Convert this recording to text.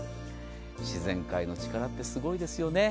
自然界の力ってすごいですよね。